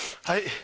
はい。